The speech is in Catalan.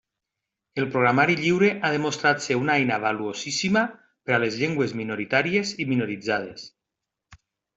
El programari lliure ha demostrat ser una eina valuosíssima per a les llengües minoritàries i minoritzades.